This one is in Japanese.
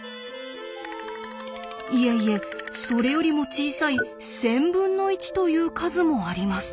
いえいえそれよりも小さい１，０００分の１という数もあります。